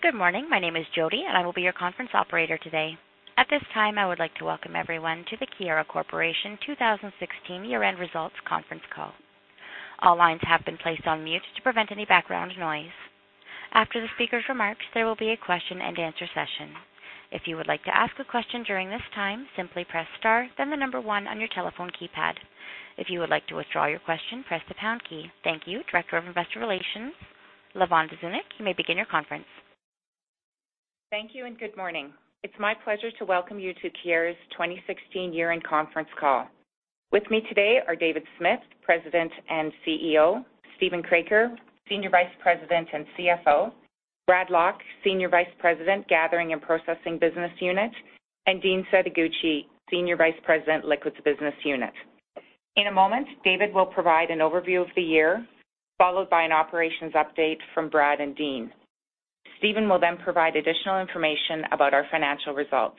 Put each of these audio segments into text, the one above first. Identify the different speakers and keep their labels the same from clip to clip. Speaker 1: Good morning. My name is Jody, and I will be your conference operator today. At this time, I would like to welcome everyone to the Keyera Corporation 2016 year-end results conference call. All lines have been placed on mute to prevent any background noise. After the speakers' remarks, there will be a question and answer session. If you would like to ask a question during this time, simply press star, then the number one on your telephone keypad. If you would like to withdraw your question, press the pound key. Thank you. Director of Investor Relations, Lavonne Zdunich, you may begin your conference.
Speaker 2: Thank you, and good morning. It's my pleasure to welcome you to Keyera's 2016 year-end conference call. With me today are David Smith, President and CEO, Steven Kroeker, Senior Vice President and CFO, Brad Lock, Senior Vice President, Gathering and Processing business unit, and Dean Setoguchi, Senior Vice President, Liquids business unit. In a moment, David will provide an overview of the year, followed by an operations update from Brad and Dean. Steven will then provide additional information about our financial results.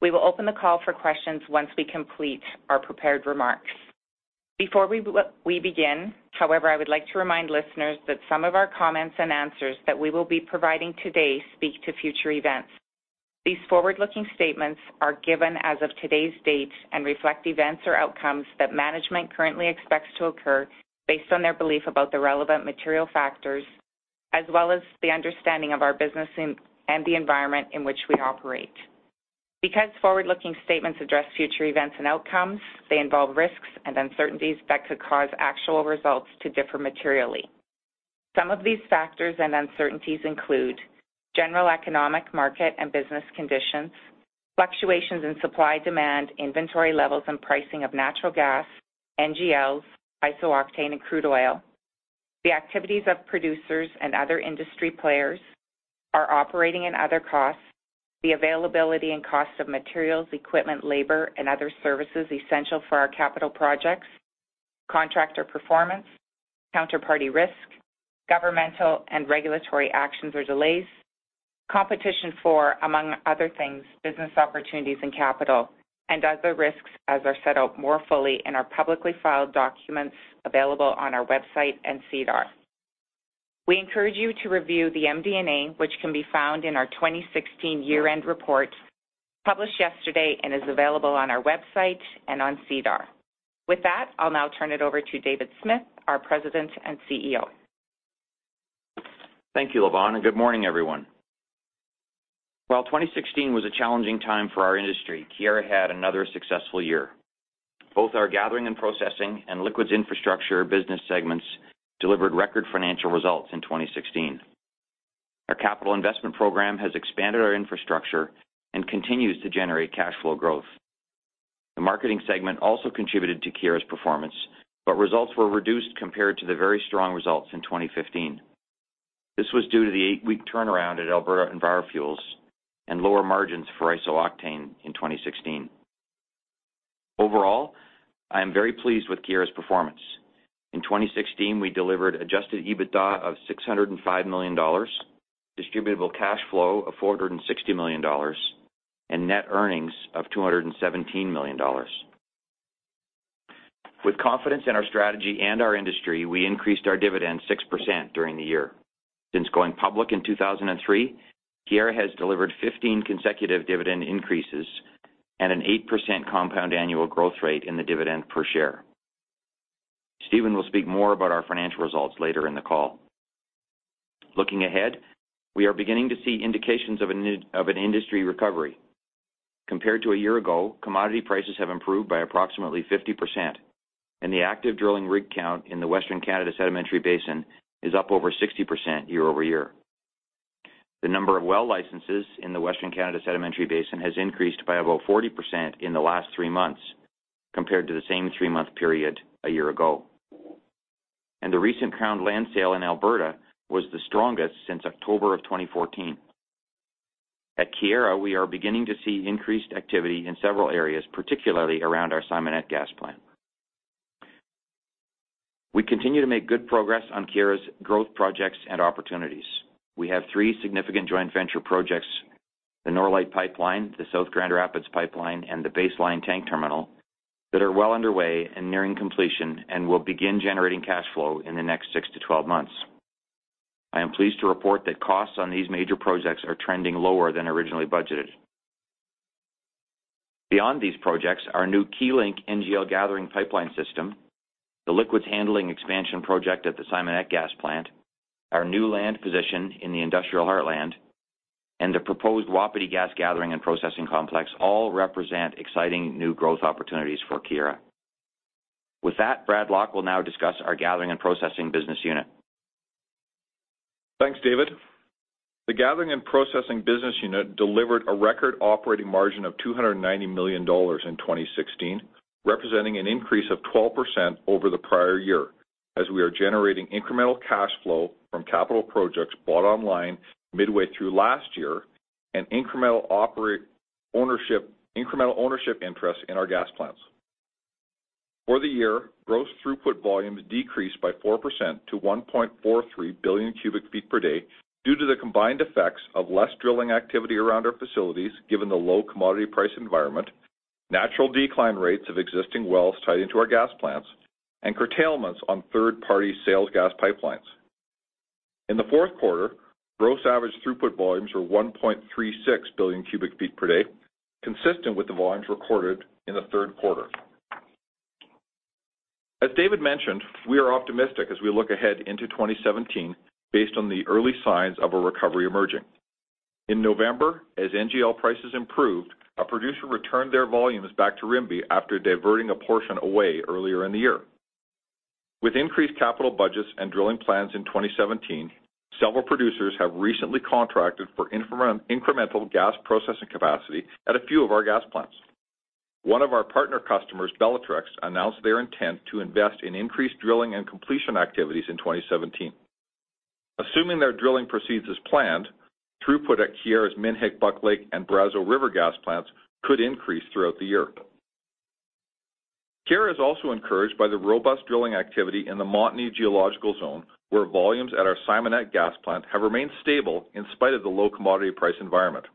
Speaker 2: We will open the call for questions once we complete our prepared remarks. Before we begin, however, I would like to remind listeners that some of our comments and answers that we will be providing today speak to future events. These forward-looking statements are given as of today's date and reflect events or outcomes that management currently expects to occur based on their belief about the relevant material factors, as well as the understanding of our business and the environment in which we operate. Because forward-looking statements address future events and outcomes, they involve risks and uncertainties that could cause actual results to differ materially. Some of these factors and uncertainties include general economic market and business conditions, fluctuations in supply, demand, inventory levels, and pricing of natural gas, NGLs, iso-octane, and crude oil. The activities of producers and other industry players, our operating and other costs, the availability and cost of materials, equipment, labor, and other services essential for our capital projects, contractor performance, counterparty risk, governmental and regulatory actions or delays, competition for, among other things, business opportunities and capital, and other risks as are set out more fully in our publicly filed documents available on our website and SEDAR. We encourage you to review the MD&A, which can be found in our 2016 year-end report published yesterday and is available on our website and on SEDAR. With that, I'll now turn it over to David Smith, our President and CEO.
Speaker 3: Thank you, Lavonne, and good morning, everyone. While 2016 was a challenging time for our industry, Keyera had another successful year. Both our gathering and processing and liquids infrastructure business segments delivered record financial results in 2016. Our capital investment program has expanded our infrastructure and continues to generate cash flow growth. The marketing segment also contributed to Keyera's performance, but results were reduced compared to the very strong results in 2015. This was due to the eight-week turnaround at Alberta EnviroFuels and lower margins for iso-octane in 2016. Overall, I am very pleased with Keyera's performance. In 2016, we delivered adjusted EBITDA of 605 million dollars, distributable cash flow of 460 million dollars, and net earnings of 217 million dollars. With confidence in our strategy and our industry, we increased our dividend 6% during the year. Since going public in 2003, Keyera has delivered 15 consecutive dividend increases and an 8% compound annual growth rate in the dividend per share. Steven will speak more about our financial results later in the call. Looking ahead, we are beginning to see indications of an industry recovery. Compared to a year ago, commodity prices have improved by approximately 50%, and the active drilling rig count in the Western Canada Sedimentary Basin is up over 60% year-over-year. The number of well licenses in the Western Canada Sedimentary Basin has increased by about 40% in the last three months compared to the same three-month period a year ago. The recent Crown land sale in Alberta was the strongest since October of 2014. At Keyera, we are beginning to see increased activity in several areas, particularly around our Simonette gas plant. We continue to make good progress on Keyera's growth projects and opportunities. We have three significant joint venture projects, the Norlite Pipeline, the South Grand Rapids Pipeline, and the Base Line tank Terminal, that are well underway and nearing completion and will begin generating cash flow in the next six months-12 months. I am pleased to report that costs on these major projects are trending lower than originally budgeted. Beyond these projects, our new Keylink NGL gathering pipeline system, the liquids handling expansion project at the Simonette gas plant, our new land position in the Industrial Heartland, and the proposed Wapiti gas gathering and processing complex all represent exciting new growth opportunities for Keyera. With that, Brad Lock will now discuss our gathering and processing business unit.
Speaker 4: Thanks, David. The Gathering and Processing business unit delivered a record operating margin of 290 million dollars in 2016, representing an increase of 12% over the prior year, as we are generating incremental cash flow from capital projects brought online midway through last year, and incremental ownership interest in our gas plants. For the year, gross throughput volumes decreased by 4% to 1.43 billion cubic feet per day due to the combined effects of less drilling activity around our facilities, given the low commodity price environment. Natural decline rates of existing wells tied into our gas plants and curtailments on third-party sales gas pipelines. In the fourth quarter, gross average throughput volumes were 1.36 billion cubic feet per day, consistent with the volumes recorded in the third quarter. As David mentioned, we are optimistic as we look ahead into 2017 based on the early signs of a recovery emerging. In November, as NGL prices improved, our producer returned their volumes back to Rimbey after diverting a portion away earlier in the year. With increased capital budgets and drilling plans in 2017, several producers have recently contracted for incremental gas processing capacity at a few of our gas plants. One of our partner customers, Bellatrix, announced their intent to invest in increased drilling and completion activities in 2017. Assuming their drilling proceeds as planned, throughput at Keyera's Minnehik-Buck Lake and Brazeau River gas plants could increase throughout the year. Keyera is also encouraged by the robust drilling activity in the Montney geological zone, where volumes at our Simonette gas plant have remained stable in spite of the low commodity price environment.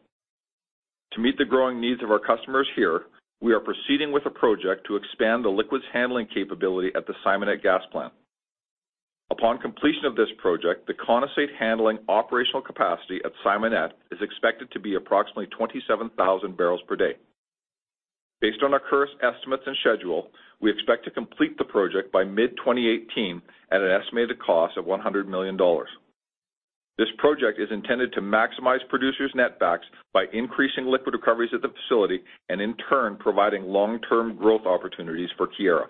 Speaker 4: To meet the growing needs of our customers here, we are proceeding with a project to expand the liquids handling capability at the Simonette gas plant. Upon completion of this project, the condensate handling operational capacity at Simonette is expected to be approximately 27,000 barrels per day. Based on our current estimates and schedule, we expect to complete the project by mid-2018 at an estimated cost of 100 million dollars. This project is intended to maximize producers' netbacks by increasing liquid recoveries at the facility and in turn, providing long-term growth opportunities for Keyera.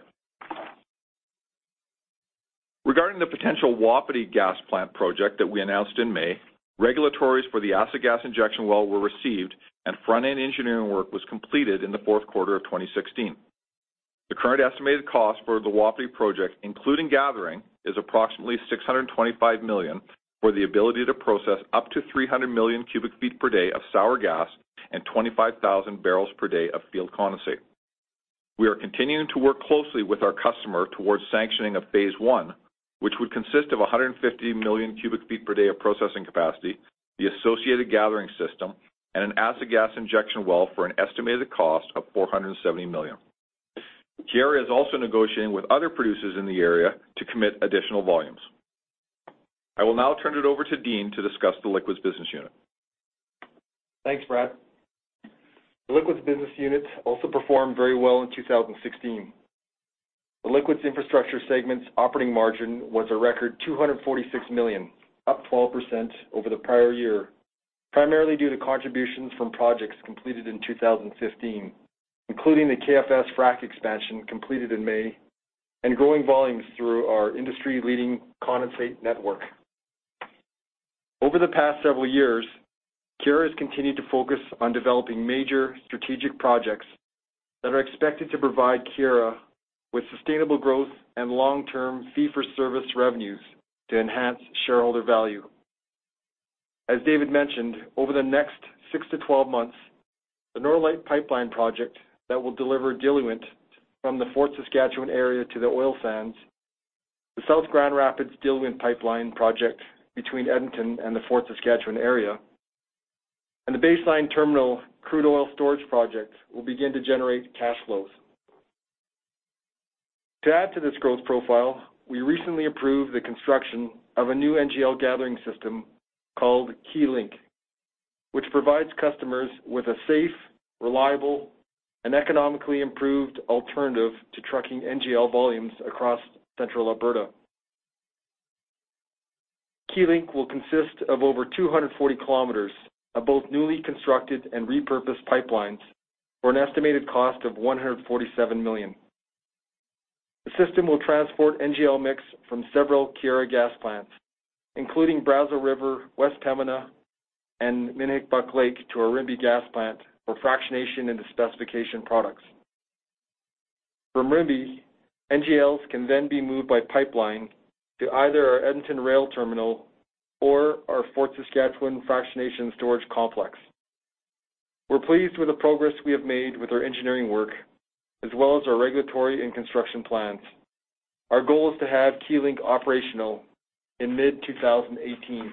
Speaker 4: Regarding the potential Wapiti gas plant project that we announced in May, regulatories for the acid gas injection well were received, and front-end engineering work was completed in the fourth quarter of 2016. The current estimated cost for the Wapiti project, including gathering, is approximately 625 million, with the ability to process up to 300 million cubic feet per day of sour gas and 25,000 barrels per day of field condensate. We are continuing to work closely with our customer towards sanctioning of phase one, which would consist of 150 million cubic feet per day of processing capacity, the associated gathering system, and an acid gas injection well for an estimated cost of 470 million. Keyera is also negotiating with other producers in the area to commit additional volumes. I will now turn it over to Dean to discuss the Liquids business unit.
Speaker 5: Thanks, Brad. The Liquids business unit also performed very well in 2016. The Liquids infrastructure segment's operating margin was a record 246 million, up 12% over the prior year, primarily due to contributions from projects completed in 2015, including the KFS frac expansion completed in May, and growing volumes through our industry-leading condensate network. Over the past several years, Keyera has continued to focus on developing major strategic projects that are expected to provide Keyera with sustainable growth and long-term fee-for-service revenues to enhance shareholder value. As David mentioned, over the next six months-12 months, the Norlite Pipeline project that will deliver diluent from the Fort Saskatchewan area to the oil sands, the South Grand Rapids diluent pipeline project between Edmonton and the Fort Saskatchewan area, and the Base Line Terminal crude oil storage project will begin to generate cash flows. To add to this growth profile, we recently approved the construction of a new NGL gathering system called Keylink, which provides customers with a safe, reliable, and economically improved alternative to trucking NGL volumes across central Alberta. Keylink will consist of over 240 km of both newly constructed and repurposed pipelines for an estimated cost of 147 million. The system will transport NGL mix from several Keyera gas plants, including Brazeau River, West Pembina, and Minnehik-Buck Lake, to our Rimbey gas plant for fractionation into specification products. From Rimbey, NGLs can then be moved by pipeline to either our Edmonton rail Terminal or our Fort Saskatchewan fractionation storage complex. We're pleased with the progress we have made with our engineering work as well as our regulatory and construction plans. Our goal is to have Keylink operational in mid-2018.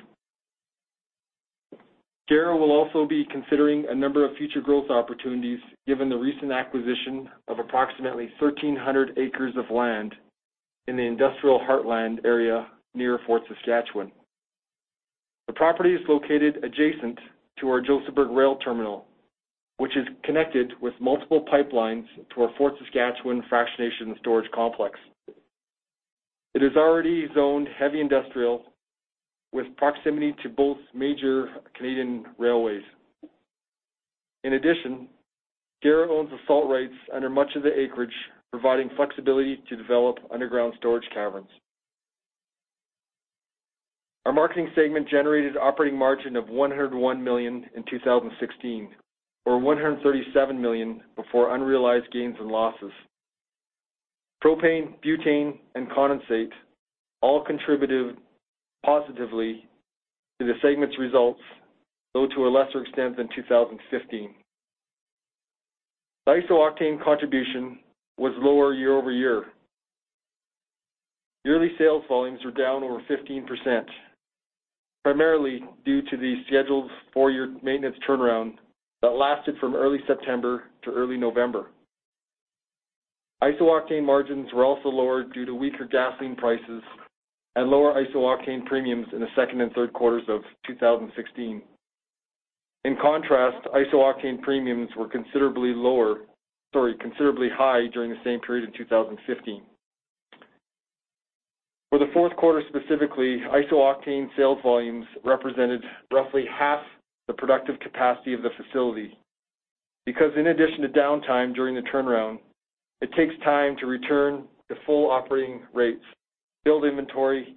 Speaker 5: Keyera will also be considering a number of future growth opportunities given the recent acquisition of approximately 1,300 acres of land in the industrial heartland area near Fort Saskatchewan. The property is located adjacent to our Josephburg rail terminal, which is connected with multiple pipelines to our Fort Saskatchewan fractionation storage complex. It is already zoned heavy industrial with proximity to both major Canadian railways. In addition, Keyera owns the salt rights under much of the acreage, providing flexibility to develop underground storage caverns. Our marketing segment generated operating margin of 101 million in 2016, or 137 million before unrealized gains and losses. Propane, butane, and condensate all contributed positively to the segment's results, though to a lesser extent than 2015. Iso-octane contribution was lower year-over-year. yearly sales volumes were down over 15%, primarily due to the scheduled four-year maintenance turnaround that lasted from early September to early November. Iso-octane margins were also lower due to weaker gasoline prices and lower iso-octane premiums in the second and third quarters of 2016. In contrast, iso-octane premiums were considerably high during the same period in 2015. For the fourth quarter, specifically, iso-octane sales volumes represented roughly half the productive capacity of the facility because in addition to downtime during the turnaround, it takes time to return to full operating rates, build inventory,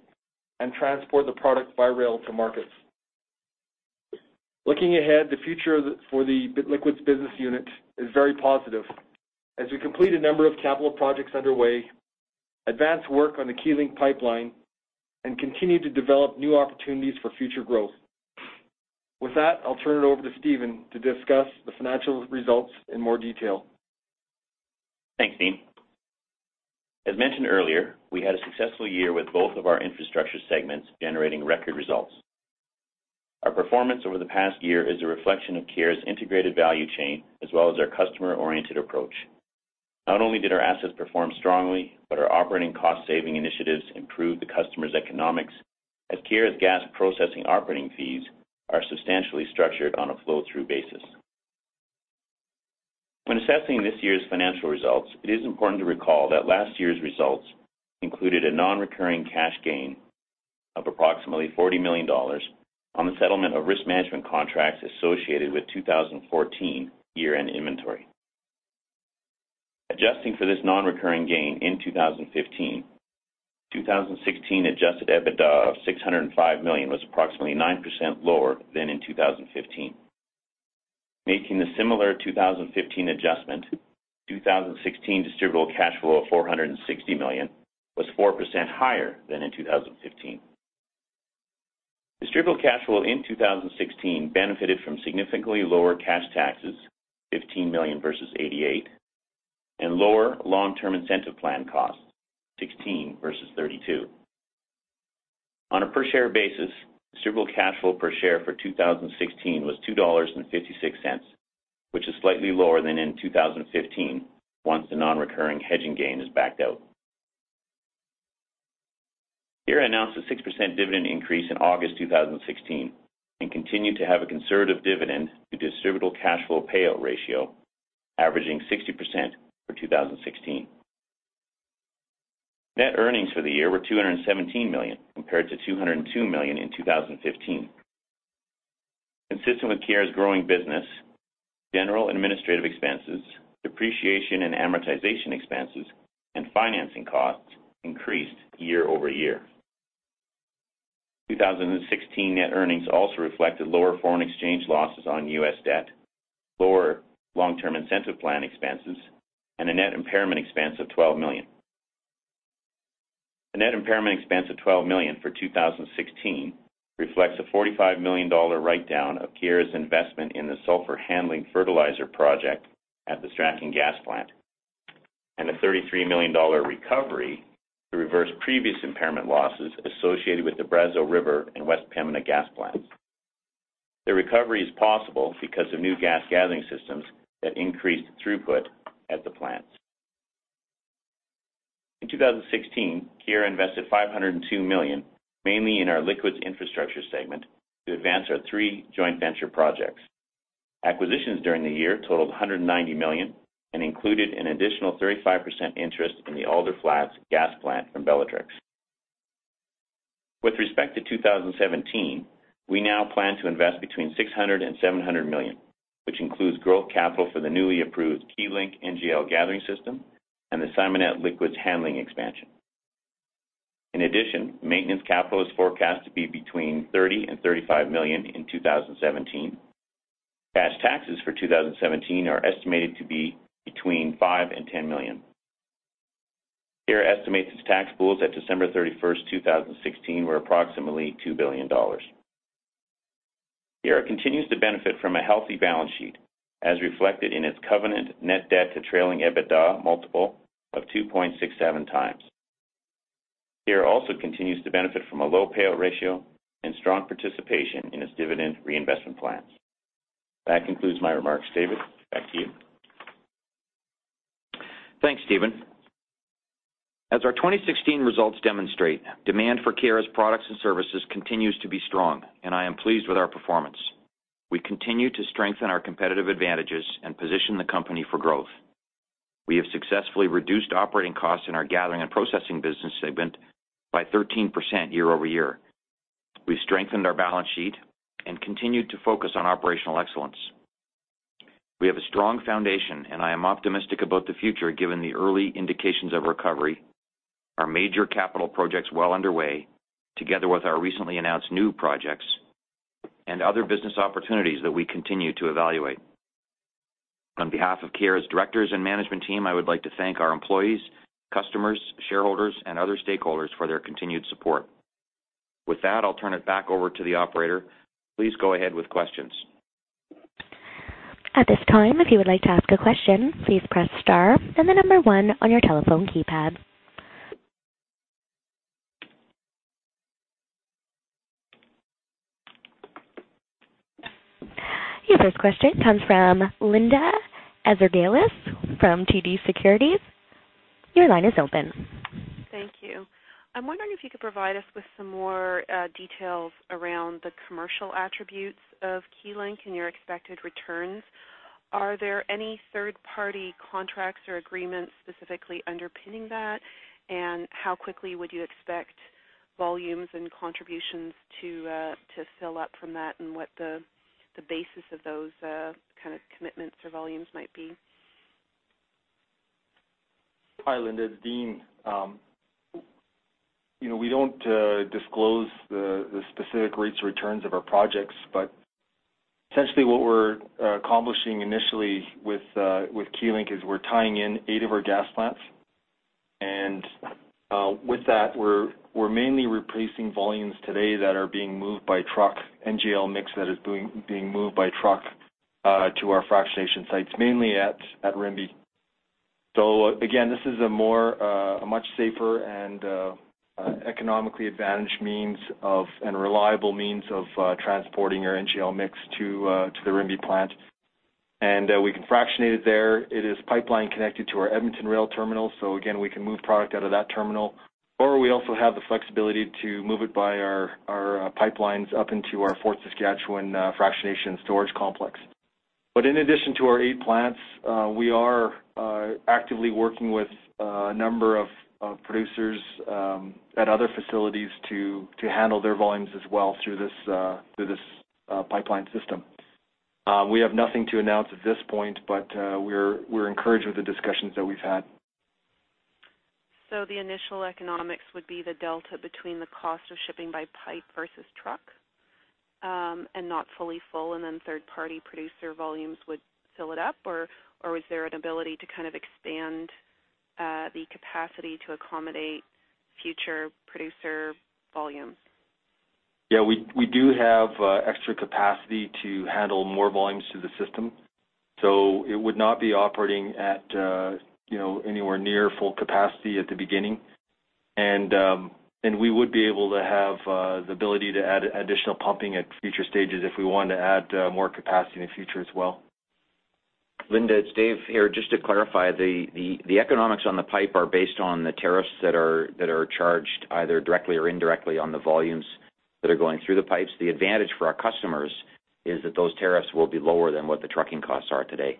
Speaker 5: and transport the product by rail to markets. Looking ahead, the future for the Liquids business unit is very positive. As we complete a number of capital projects underway, advance work on the Keylink pipeline, and continue to develop new opportunities for future growth. With that, I'll turn it over to Steven to discuss the financial results in more detail.
Speaker 6: Thanks, Dean. As mentioned earlier, we had a successful year with both of our infrastructure segments generating record results. Our performance over the past year is a reflection of Keyera's integrated value chain as well as our customer-oriented approach. Not only did our assets perform strongly, but our operating cost-saving initiatives improved the customer's economics as Keyera's gas processing operating fees are substantially structured on a flow-through basis. When assessing this year's financial results, it is important to recall that last year's results included a non-recurring cash gain of approximately 40 million dollars on the settlement of risk management contracts associated with 2014 year-end inventory. Adjusting for this non-recurring gain in 2015, 2016 adjusted EBITDA of 605 million was approximately 9% lower than in 2015. Making the similar 2015 adjustment, 2016 distributable cash flow of CAD 460 million was 4% higher than in 2015. Distributable cash flow in 2016 benefited from significantly lower cash taxes, 15 million versus 88 million, and lower long-term incentive plan costs, 16 million versus 32 million. On a per share basis, distributable cash flow per share for 2016 was 2.56 dollars, which is slightly lower than in 2015, once the non-recurring hedging gain is backed out. Keyera announced a 6% dividend increase in August 2016 and continued to have a conservative dividend to distributable cash flow payout ratio, averaging 60% for 2016. Net earnings for the year were 217 million, compared to 202 million in 2015. Consistent with Keyera's growing business, general and administrative expenses, depreciation and amortization expenses, and financing costs increased year-over-year. 2016 net earnings also reflected lower foreign exchange losses on U.S. debt, lower long-term incentive plan expenses, and a net impairment expense of 12 million. A net impairment expense of 12 million for 2016 reflects a 45 million dollar write-down of Keyera's investment in the sulphur handling fertilizer project at the Strachan gas plant, and a 33 million dollar recovery to reverse previous impairment losses associated with the Brazeau River and West Pembina gas plants. The recovery is possible because of new gas gathering systems that increased throughput at the plants. In 2016, Keyera invested 502 million, mainly in our liquids infrastructure segment, to advance our three joint venture projects. Acquisitions during the year totaled 190 million and included an additional 35% interest in the Alder Flats gas plant from Bellatrix. With respect to 2017, we now plan to invest between 600 million and 700 million, which includes growth capital for the newly approved Keylink NGL gathering system and the Simonette liquids handling expansion. In addition, maintenance capital is forecast to be between 30 million and 35 million in 2017. Cash taxes for 2017 are estimated to be between 5 million and 10 million. Keyera estimates its tax pools at December 31st, 2016, were approximately 2 billion dollars. Keyera continues to benefit from a healthy balance sheet, as reflected in its covenant net debt to trailing EBITDA multiple of 2.67x. Keyera also continues to benefit from a low payout ratio and strong participation in its dividend reinvestment plans. That concludes my remarks. David, back to you.
Speaker 3: Thanks, Steven. As our 2016 results demonstrate, demand for Keyera's products and services continues to be strong, and I am pleased with our performance. We continue to strengthen our competitive advantages and position the company for growth. We have successfully reduced operating costs in our Gathering and Processing business segment by 13% year-over-year. We've strengthened our balance sheet and continued to focus on operational excellence. We have a strong foundation, and I am optimistic about the future given the early indications of recovery, our major capital projects well underway, together with our recently announced new projects, and other business opportunities that we continue to evaluate. On behalf of Keyera's directors and management team, I would like to thank our employees, customers, shareholders, and other stakeholders for their continued support. With that, I'll turn it back over to the operator. Please go ahead with questions.
Speaker 1: At this time, if you would like to ask a question, please press star and the number one on your telephone keypad. Your first question comes from Linda Ezergailis from TD Securities. Your line is open.
Speaker 7: Thank you. I'm wondering if you could provide us with some more details around the commercial attributes of Keylink and your expected returns. Are there any third-party contracts or agreements specifically underpinning that? How quickly would you expect volumes and contributions to fill up from that, and what the basis of those kind of commitments or volumes might be?
Speaker 5: Hi, Linda. It's Dean. We don't disclose the specific rates or returns of our projects, but essentially what we're accomplishing initially with Keylink is we're tying in eight of our gas plants. With that, we're mainly replacing volumes today that are being moved by truck, NGL mix that is being moved by truck to our fractionation sites, mainly at Rimbey. This is a much safer and economically advantaged means and a reliable means of transporting our NGL mix to the Rimbey plant. We can fractionate it there. It is pipeline connected to our Edmonton rail terminal. We can move product out of that terminal, or we also have the flexibility to move it by our pipelines up into our Fort Saskatchewan fractionation storage complex. In addition to our eight plants, we are actively working with a number of producers at other facilities to handle their volumes as well through this pipeline system. We have nothing to announce at this point, but we're encouraged with the discussions that we've had.
Speaker 7: The initial economics would be the delta between the cost of shipping by pipe versus truck, and not fully full, and then third-party producer volumes would fill it up? Or was there an ability to kind of expand the capacity to accommodate future producer volumes?
Speaker 5: Yeah, we do have extra capacity to handle more volumes through the system. It would not be operating at anywhere near full capacity at the beginning. We would be able to have the ability to add additional pumping at future stages if we wanted to add more capacity in the future as well.
Speaker 3: Linda, it's Dave here. Just to clarify, the economics on the pipe are based on the tariffs that are charged either directly or indirectly on the volumes that are going through the pipes. The advantage for our customers is that those tariffs will be lower than what the trucking costs are today.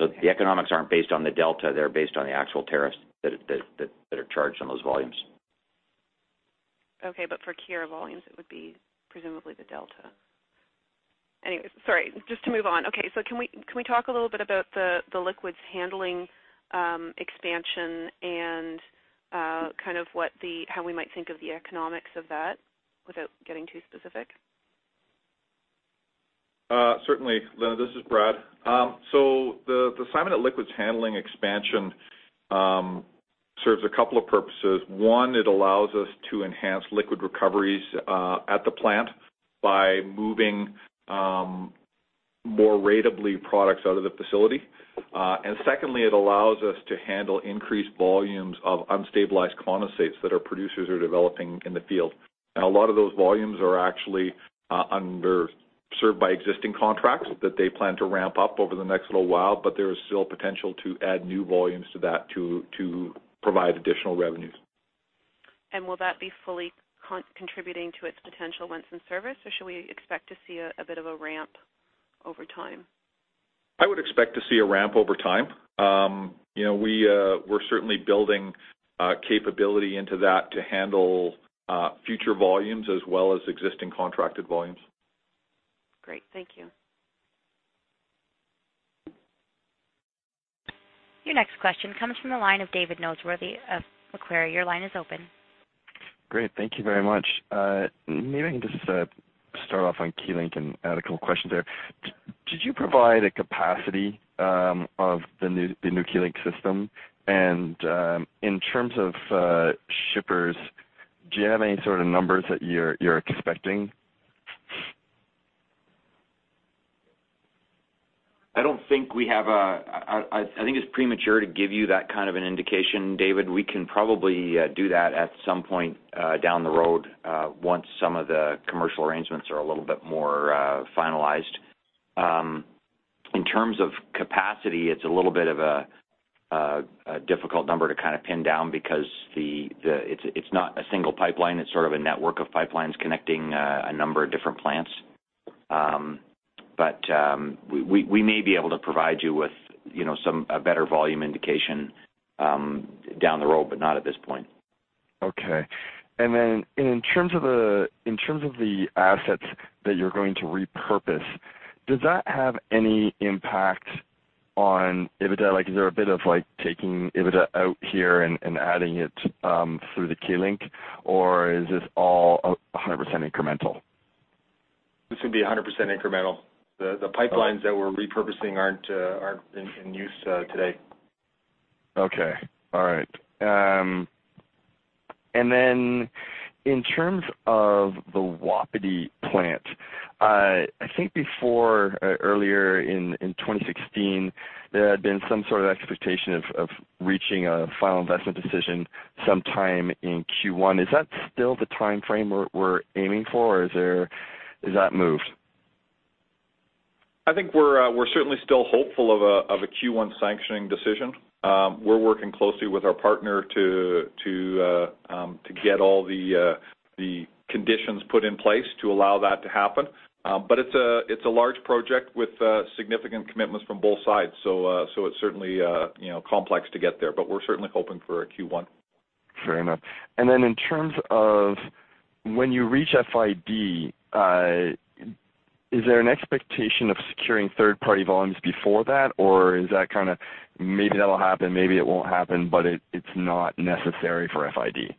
Speaker 3: The economics aren't based on the delta. They're based on the actual tariffs that are charged on those volumes.
Speaker 7: Okay, for Keyera volumes, it would be presumably the delta. Anyway, sorry, just to move on. Okay. Can we talk a little bit about the liquids handling expansion and kind of how we might think of the economics of that without getting too specific?
Speaker 4: Certainly. Linda, this is Brad. The Simonette liquids handling expansion serves a couple of purposes. One, it allows us to enhance liquid recoveries at the plant by moving more ratably products out of the facility. Secondly, it allows us to handle increased volumes of unstabilized condensates that our producers are developing in the field. A lot of those volumes are actually served by existing contracts that they plan to ramp up over the next little while. There is still potential to add new volumes to that to provide additional revenues.
Speaker 7: Will that be fully contributing to its potential once in service, or should we expect to see a bit of a ramp over time?
Speaker 4: I would expect to see a ramp over time. We're certainly building capability into that to handle future volumes as well as existing contracted volumes.
Speaker 7: Great. Thank you.
Speaker 1: Your next question comes from the line of David Noseworthy of Macquarie. Your line is open.
Speaker 8: Great. Thank you very much. Maybe I can just start off on Keylink and add a couple questions there. Did you provide a capacity of the new Keylink system? And in terms of shippers, do you have any sort of numbers that you're expecting?
Speaker 3: I think it's premature to give you that kind of an indication, David. We can probably do that at some point down the road once some of the commercial arrangements are a little bit more finalized. In terms of capacity, it's a little bit of a difficult number to kind of pin down because it's not a single pipeline. It's sort of a network of pipelines connecting a number of different plants. We may be able to provide you with a better volume indication down the road, but not at this point.
Speaker 8: Okay. In terms of the assets that you're going to repurpose, does that have any impact on EBITDA? Is there a bit of taking EBITDA out here and adding it through the Keylink, or is this all 100% incremental?
Speaker 5: This would be 100% incremental. The pipelines that we're repurposing aren't in use today.
Speaker 8: Okay. All right. In terms of the Wapiti plant, I think before earlier in 2016, there had been some sort of expectation of reaching a Final Investment Decision sometime in Q1. Is that still the timeframe we're aiming for or has that moved?
Speaker 4: I think we're certainly still hopeful of a Q1 sanctioning decision. We're working closely with our partner to get all the conditions put in place to allow that to happen. It's a large project with significant commitments from both sides. It's certainly complex to get there, but we're certainly hoping for a Q1.
Speaker 8: Fair enough. In terms of when you reach FID, is there an expectation of securing third-party volumes before that, or is that kind of maybe that'll happen, maybe it won't happen, but it's not necessary for FID?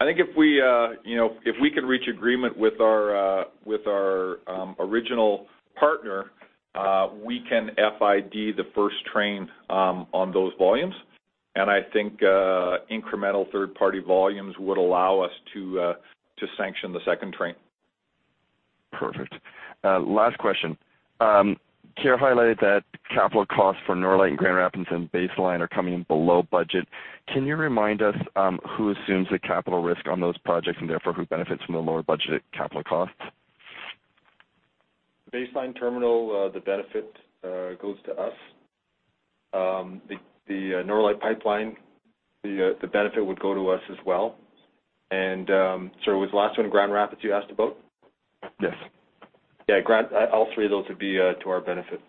Speaker 4: I think if we can reach agreement with our original partner, we can FID the first train on those volumes. I think incremental third-party volumes would allow us to sanction the second train.
Speaker 8: Perfect. Last question. Keyera highlighted that capital costs for Norlite, Grand Rapids, and Base Line are coming in below budget. Can you remind us who assumes the capital risk on those projects and therefore who benefits from the lower budgeted capital costs?
Speaker 5: Base Line Terminal, the benefit goes to us. The Norlite Pipeline, the benefit would go to us as well. Sorry, was the last one Grand Rapids you asked about?
Speaker 8: Yes.
Speaker 5: Yeah. All three of those would be to our benefit.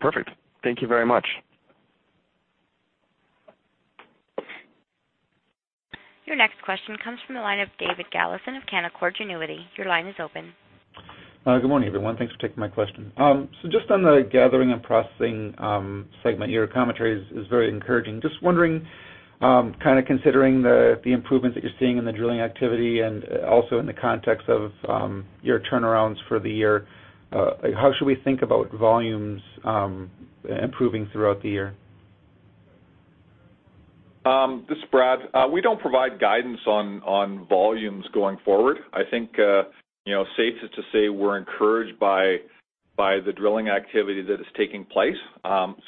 Speaker 8: Perfect. Thank you very much.
Speaker 1: Your next question comes from the line of David Galison of Canaccord Genuity. Your line is open.
Speaker 9: Good morning, everyone. Thanks for taking my question. Just on the Gathering and Processing segment, your commentary is very encouraging. Just wondering, considering the improvements that you're seeing in the drilling activity and also in the context of your turnarounds for the year, how should we think about volumes improving throughout the year?
Speaker 4: This is Brad. We don't provide guidance on volumes going forward. I think it's safe to say we're encouraged by the drilling activity that is taking place.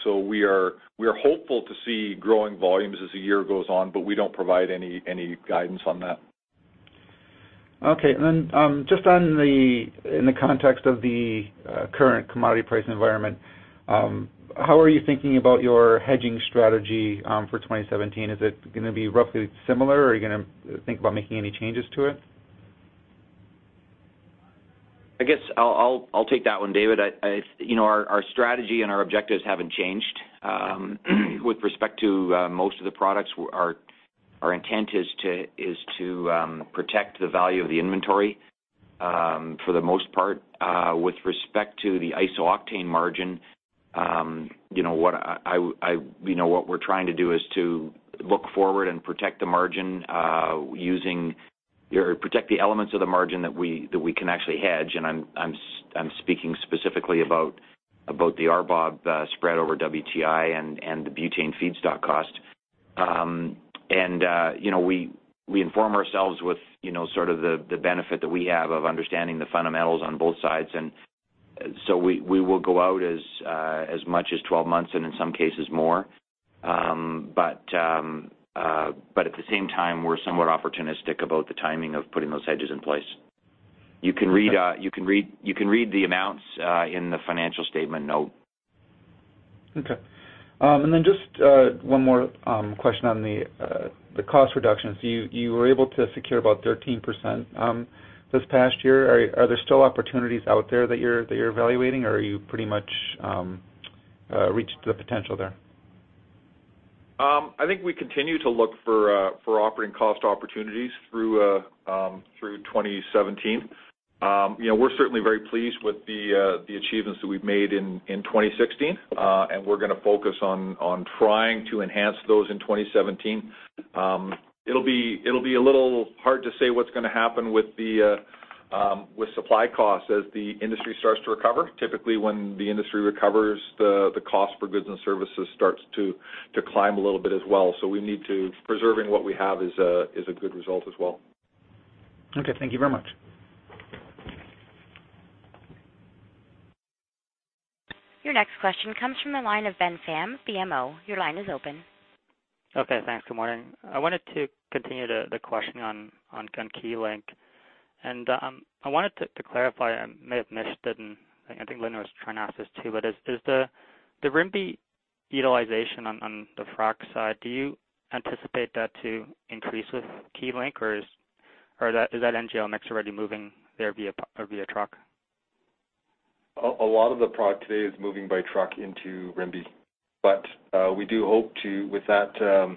Speaker 4: We are hopeful to see growing volumes as the year goes on, but we don't provide any guidance on that.
Speaker 9: Okay. Just in the context of the current commodity price environment, how are you thinking about your hedging strategy for 2017? Is it going to be roughly similar, or are you going to think about making any changes to it?
Speaker 3: I guess I'll take that one, David. Our strategy and our objectives haven't changed. With respect to most of the products, our intent is to protect the value of the inventory for the most part. With respect to the iso-octane margin, what we're trying to do is to look forward and protect the elements of the margin that we can actually hedge, and I'm speaking specifically about the RBOB spread over WTI and the butane feedstock cost. We inform ourselves with sort of the benefit that we have of understanding the fundamentals on both sides. We will go out as much as 12 months and in some cases more. At the same time, we're somewhat opportunistic about the timing of putting those hedges in place. You can read the amounts in the financial statement note.
Speaker 9: Okay. Just one more question on the cost reductions. You were able to secure about 13% this past year. Are there still opportunities out there that you're evaluating or are you pretty much reached the potential there?
Speaker 4: I think we continue to look for operating cost opportunities through 2017. We're certainly very pleased with the achievements that we've made in 2016. We're going to focus on trying to enhance those in 2017. It'll be a little hard to say what's going to happen with supply costs as the industry starts to recover. Typically, when the industry recovers, the cost for goods and services starts to climb a little bit as well. Preserving what we have is a good result as well.
Speaker 9: Okay, thank you very much.
Speaker 1: Your next question comes from the line of Ben Pham, BMO. Your line is open.
Speaker 10: Okay, thanks. Good morning. I wanted to continue the questioning on Keylink. I wanted to clarify, I may have missed it, and I think Linda was trying to ask this, too, but is the Rimbey utilization on the frac side, do you anticipate that to increase with Keylink, or is that NGLs already moving there via truck?
Speaker 5: A lot of the product today is moving by truck into Rimbey. We do hope to, with that,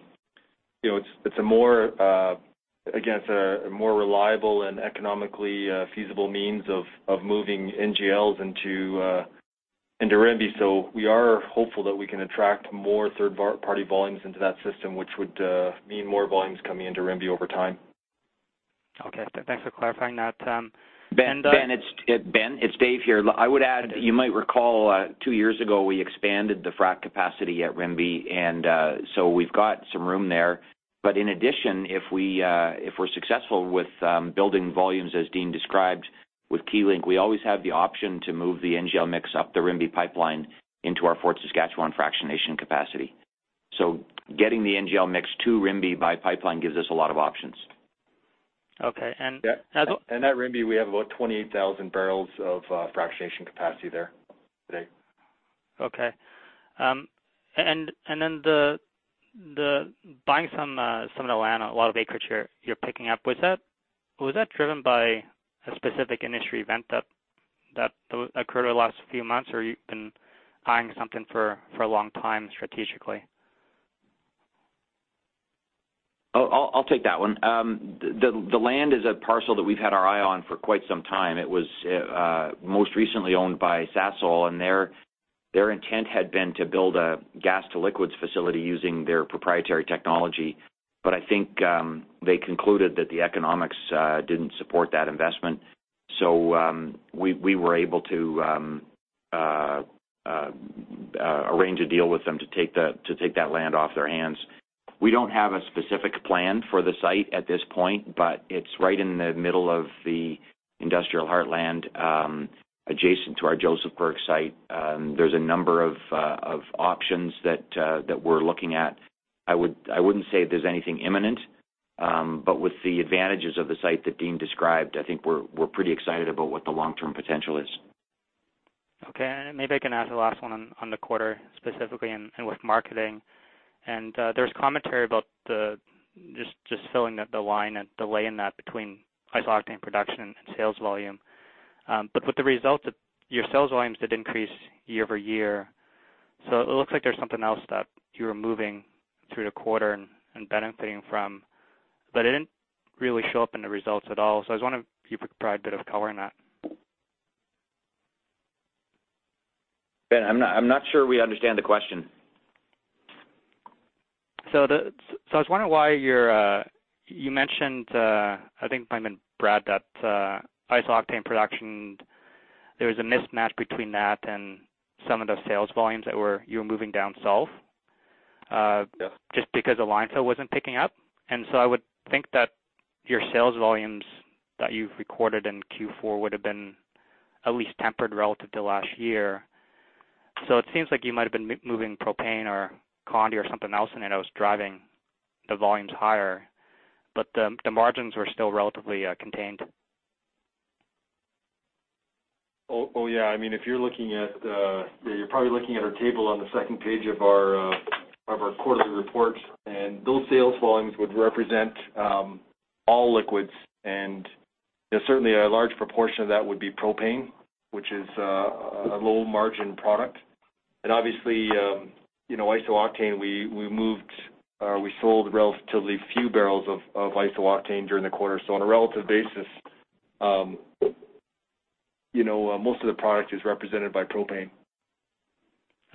Speaker 5: it's a more reliable and economically feasible means of moving NGLs into Rimbey. We are hopeful that we can attract more third-party volumes into that system, which would mean more volumes coming into Rimbey over time.
Speaker 10: Okay. Thanks for clarifying that.
Speaker 3: Ben, it's Dave here. I would add, you might recall, two years ago we expanded the frac capacity at Rimbey, and so we've got some room there. In addition, if we're successful with building volumes, as Dean described, with Keylink, we always have the option to move the NGL mix up the Rimbey pipeline into our Fort Saskatchewan fractionation capacity. Getting the NGL mix to Rimbey by pipeline gives us a lot of options.
Speaker 10: Okay.
Speaker 5: At Rimbey, we have about 28,000 barrels of fractionation capacity there today.
Speaker 10: Okay. Buying some of the land, a lot of acreage you're picking up. Was that driven by a specific industry event that occurred over the last few months, or you've been eyeing something for a long time strategically?
Speaker 3: I'll take that one. The land is a parcel that we've had our eye on for quite some time. It was most recently owned by Sasol, and their intent had been to build a gas to liquids facility using their proprietary technology. I think they concluded that the economics didn't support that investment. We were able to arrange a deal with them to take that land off their hands. We don't have a specific plan for the site at this point, but it's right in the middle of the industrial heartland, adjacent to our Josephburg site. There's a number of options that we're looking at. I wouldn't say there's anything imminent. With the advantages of the site that Dean described, I think we're pretty excited about what the long-term potential is.
Speaker 10: Okay, maybe I can ask the last one on the quarter, specifically and with marketing. There was commentary about just filling up the line and delay in that between iso-octane production and sales volume. With the results, your sales volumes did increase year-over-year. It looks like there's something else that you were moving through the quarter and benefiting from, but it didn't really show up in the results at all. I was wondering if you could provide a bit of color on that.
Speaker 3: Ben, I'm not sure we understand the question.
Speaker 10: I was wondering why you mentioned, I think it might've been Brad, that iso-octane production, there was a mismatch between that and some of the sales volumes that you were moving down south.
Speaker 5: Yeah.
Speaker 10: Just because the line fill wasn't picking up. I would think that your sales volumes that you've recorded in Q4 would have been at least tempered relative to last year. It seems like you might've been moving propane or condy or something else in it that was driving the volumes higher, but the margins were still relatively contained.
Speaker 5: Oh, yeah. You're probably looking at our table on the second page of our quarterly report, and those sales volumes would represent all liquids, and certainly a large proportion of that would be propane, which is a low-margin product. Obviously, iso-octane, we sold relatively few barrels of iso-octane during the quarter. On a relative basis, most of the product is represented by propane.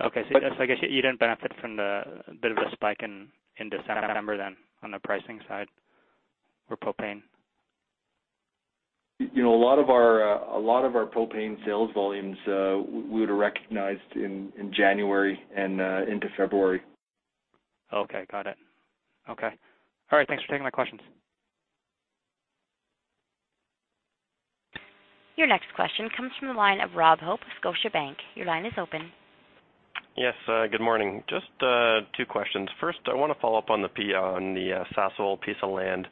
Speaker 10: Okay. I guess you didn't benefit from the bit of a spike in December then, on the pricing side for propane.
Speaker 5: A lot of our propane sales volumes, we would have recognized in January and into February.
Speaker 10: Okay. Got it. Okay. All right, thanks for taking my questions.
Speaker 1: Your next question comes from the line of Rob Hope with Scotiabank. Your line is open.
Speaker 11: Yes, good morning. Just two questions. First, I want to follow up on the Sasol piece of land.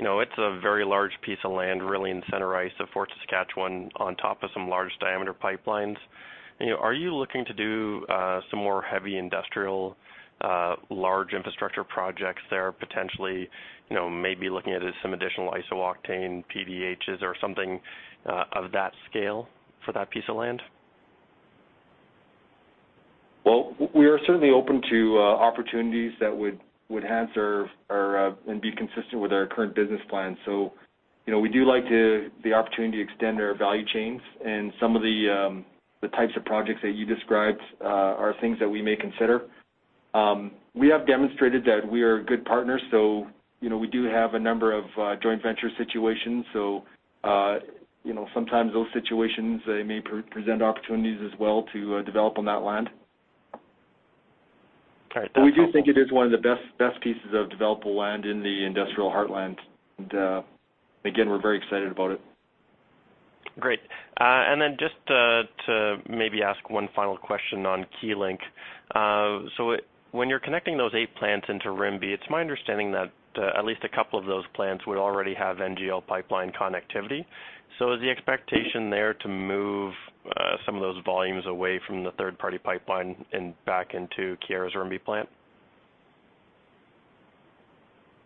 Speaker 11: It's a very large piece of land, really in center ice of Fort Saskatchewan, on top of some large-diameter pipelines. Are you looking to do some more heavy industrial large infrastructure projects there potentially, maybe looking at some additional iso-octane PDH or something of that scale for that piece of land?
Speaker 5: Well, we are certainly open to opportunities that would enhance and be consistent with our current business plan. We do like the opportunity to extend our value chains, and some of the types of projects that you described are things that we may consider. We have demonstrated that we are good partners, so we do have a number of joint venture situations. Sometimes those situations, they may present opportunities as well to develop on that land.
Speaker 11: Okay. That's helpful.
Speaker 5: We do think it is one of the best pieces of developable land in the industrial heartland. We're very excited about it.
Speaker 11: Great. Just to maybe ask one final question on Keylink. When you're connecting those eight plants into Rimbey, it's my understanding that at least a couple of those plants would already have NGL pipeline connectivity. Is the expectation there to move some of those volumes away from the third-party pipeline and back into Keyera's Rimbey plant?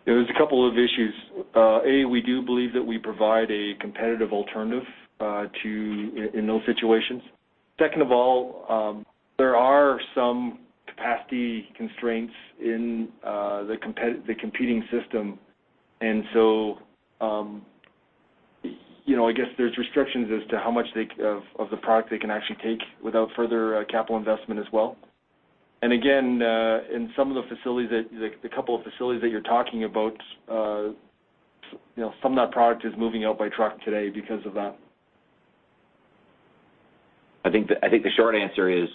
Speaker 4: There's a couple of issues. A, we do believe that we provide a competitive alternative in those situations. Second of all, there are some capacity constraints in the competing system, and so I guess there's restrictions as to how much of the product they can actually take without further capital investment as well. Again, in some of the facilities, the couple of facilities that you're talking about, some of that product is moving out by truck today because of that.
Speaker 3: I think the short answer is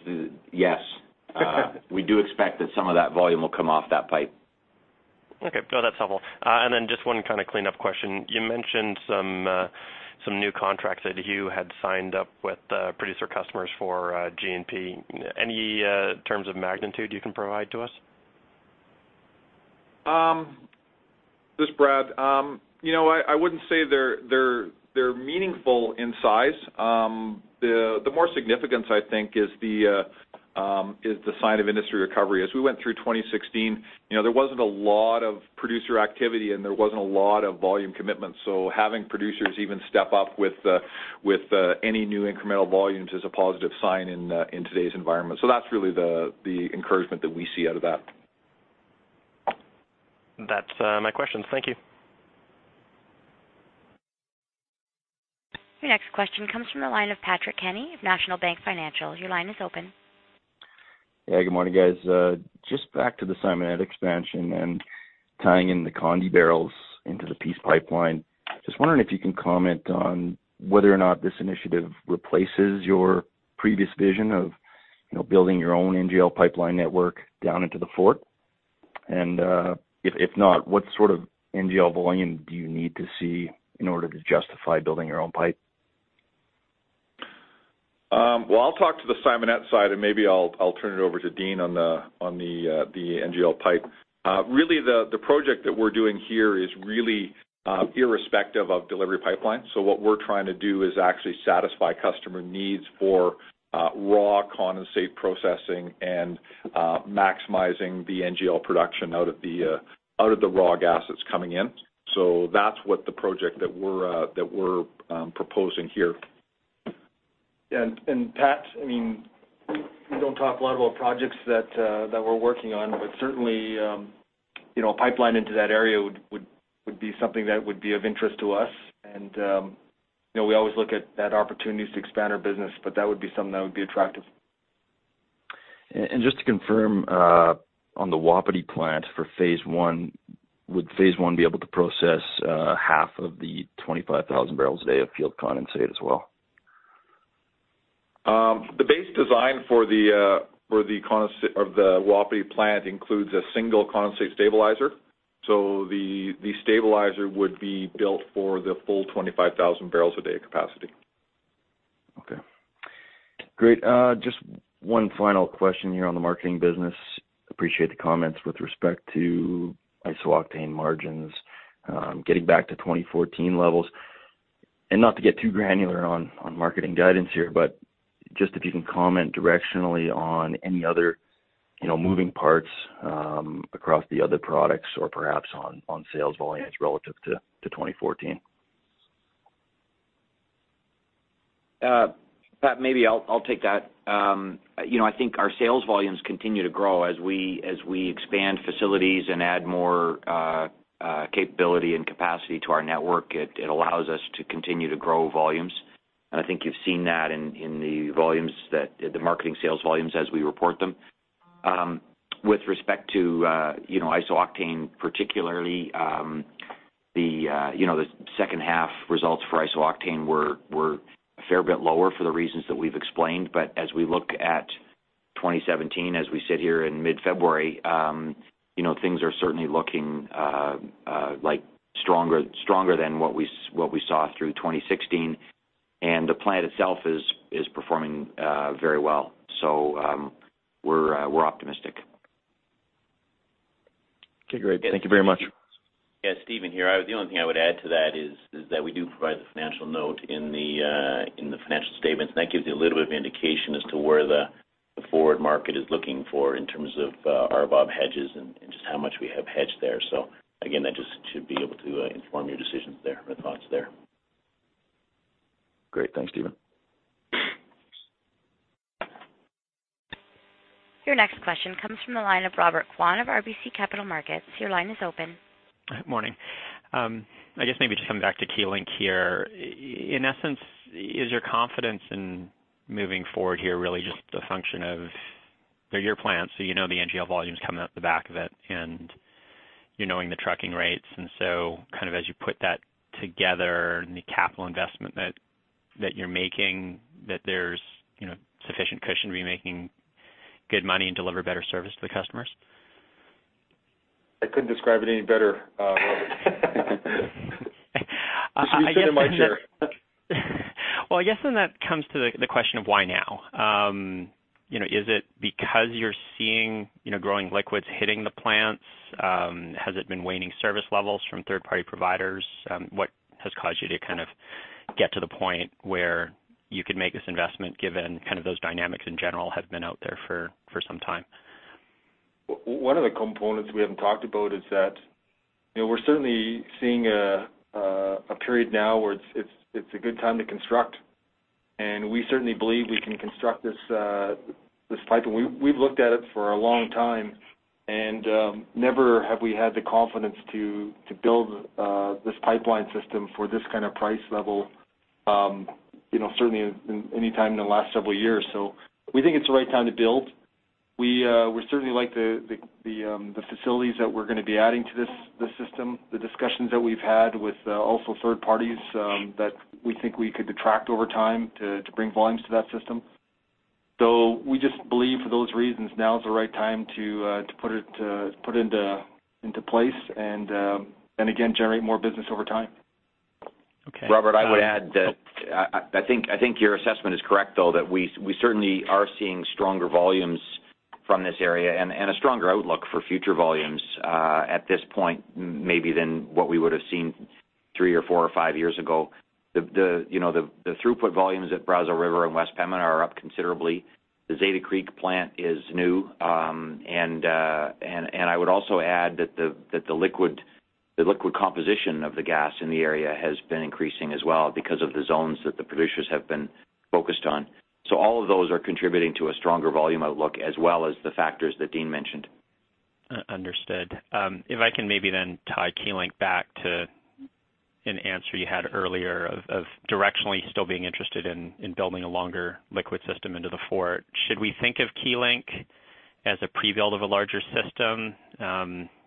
Speaker 3: yes. We do expect that some of that volume will come off that pipe.
Speaker 11: Okay. No, that's helpful. Just one kind of clean-up question. You mentioned some new contracts that you had signed up with producer customers for G&P. Any order of magnitude you can provide to us?
Speaker 4: This is Brad. I wouldn't say they're meaningful in size. The more significance, I think, is the sign of industry recovery. As we went through 2016, there wasn't a lot of producer activity, and there wasn't a lot of volume commitment. Having producers even step up with any new incremental volumes is a positive sign in today's environment. That's really the encouragement that we see out of that.
Speaker 11: That's my questions. Thank you.
Speaker 1: Your next question comes from the line of Patrick Kenny of National Bank Financial. Your line is open.
Speaker 12: Yeah, good morning, guys. Just back to the Simonette expansion and tying in the condy barrels into the Peace Pipeline. Just wondering if you can comment on whether or not this initiative replaces your previous vision of building your own NGL pipeline network down into the Fort. If not, what sort of NGL volume do you need to see in order to justify building your own pipe?
Speaker 4: Well, I'll talk to the Simonette side, and maybe I'll turn it over to Dean on the NGL pipe. Really, the project that we're doing here is really irrespective of delivery pipeline. What we're trying to do is actually satisfy customer needs for raw condensate processing and maximizing the NGL production out of the raw gas that's coming in. That's what the project that we're proposing here.
Speaker 5: Pat, we don't talk a lot about projects that we're working on, but certainly, a pipeline into that area would be something that would be of interest to us. We always look at opportunities to expand our business, but that would be something that would be attractive.
Speaker 12: Just to confirm, on the Wapiti plant for phase one, would phase one be able to process half of the 25,000 barrels a day of field condensate as well?
Speaker 4: The base design for the Wapiti plant includes a single condensate stabilizer. The stabilizer would be built for the full 25,000 barrels a day capacity.
Speaker 12: Okay. Great. Just one final question here on the marketing business. Appreciate the comments with respect to iso-octane margins getting back to 2014 levels. Not to get too granular on marketing guidance here, but just if you can comment directionally on any other moving parts across the other products or perhaps on sales volumes relative to 2014.
Speaker 3: Pat, maybe I'll take that. I think our sales volumes continue to grow as we expand facilities and add more capability and capacity to our network. It allows us to continue to grow volumes, and I think you've seen that in the marketing sales volumes as we report them. With respect to iso-octane particularly, the second half results for iso-octane were a fair bit lower for the reasons that we've explained. But as we look at 2017, as we sit here in mid-February, things are certainly looking stronger than what we saw through 2016, and the plant itself is performing very well. We're optimistic.
Speaker 12: Okay, great. Thank you very much.
Speaker 6: Yes, Steven here. The only thing I would add to that is that we do provide the financial note in the financial statements, and that gives you a little bit of indication as to where the forward market is looking for in terms of our above hedges and just how much we have hedged there. Again, that just should be able to inform your decisions there or thoughts there.
Speaker 12: Great. Thanks, Steven.
Speaker 1: Your next question comes from the line of Robert Kwan of RBC Capital Markets. Your line is open.
Speaker 13: Morning. I guess maybe just coming back to Keylink here. In essence, is your confidence in moving forward here really just a function of, they're your plants, so you know the NGL volumes coming out the back of it, and you know the trucking rates. Kind of as you put that together and the capital investment that you're making, that there's sufficient cushion, making good money and deliver better service to the customers?
Speaker 4: I couldn't describe it any better, Robert. You should be sitting in my chair.
Speaker 13: Well, I guess then that comes to the question of why now? Is it because you're seeing growing liquids hitting the plants? Has it been waning service levels from third-party providers? What has caused you to kind of get to the point where you could make this investment given kind of those dynamics in general have been out there for some time?
Speaker 5: One of the components we haven't talked about is that we're certainly seeing a period now where it's a good time to construct, and we certainly believe we can construct this pipe. We've looked at it for a long time, and never have we had the confidence to build this pipeline system for this kind of price level. Certainly in any time in the last several years. We think it's the right time to build. We certainly like the facilities that we're going to be adding to the system, the discussions that we've had with also third parties that we think we could attract over time to bring volumes to that system. We just believe for those reasons, now is the right time to put it into place and, again, generate more business over time.
Speaker 13: Okay.
Speaker 3: Robert, I would add that I think your assessment is correct, though, that we certainly are seeing stronger volumes from this area and a stronger outlook for future volumes at this point, maybe than what we would have seen three or four or five years ago. The throughput volumes at Brazeau River and West Pembina are up considerably. The Zeta Creek plant is new. I would also add that the liquid composition of the gas in the area has been increasing as well because of the zones that the producers have been focused on. All of those are contributing to a stronger volume outlook, as well as the factors that Dean mentioned.
Speaker 13: Understood. If I can maybe then tie Keylink back to an answer you had earlier of directionally still being interested in building a longer liquid system into the Fort. Should we think of Keylink as a pre-build of a larger system?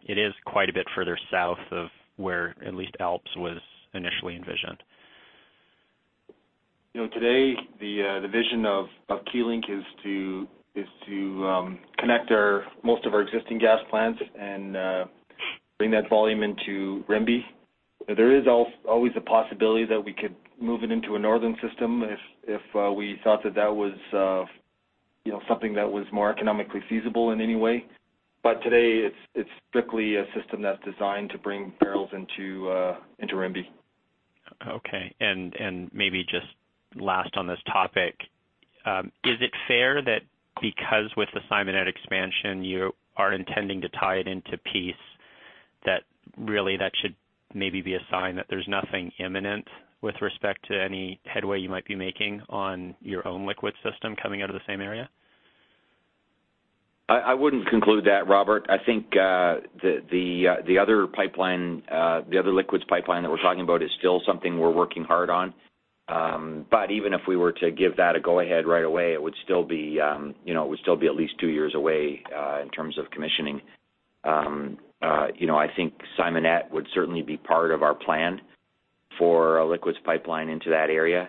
Speaker 13: It is quite a bit further south of where at least ALPS was initially envisioned.
Speaker 5: Today, the vision of Keylink is to connect most of our existing gas plants and bring that volume into Rimbey. There is always a possibility that we could move it into a northern system if we thought that that was something that was more economically feasible in any way. Today, it's strictly a system that's designed to bring barrels into Rimbey.
Speaker 13: Okay. Maybe just last on this topic. Is it fair that because with the Simonette expansion, you are intending to tie it into Peace, that really that should maybe be a sign that there's nothing imminent with respect to any headway you might be making on your own liquid system coming out of the same area?
Speaker 3: I wouldn't conclude that, Robert. I think the other liquids pipeline that we're talking about is still something we're working hard on. Even if we were to give that a go-ahead right away, it would still be at least two years away in terms of commissioning. I think Simonette would certainly be part of our plan for a liquids pipeline into that area.